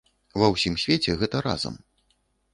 Ва ўсім свеце гэта разам.